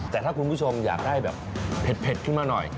แต่ถ้าคุณผู้ชมอยากได้แบบเผ็ดขึ้นมาหน่อย